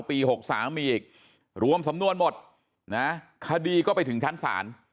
ปี๖๓มีอีกรวมสำนวนหมดนะคดีก็ไปถึงชั้นศาล